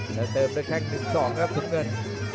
แล้วเติบด้วยแข่งหนึ่งสองครับทุกเงิน